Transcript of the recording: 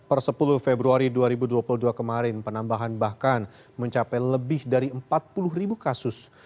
per sepuluh februari dua ribu dua puluh dua kemarin penambahan bahkan mencapai lebih dari empat puluh ribu kasus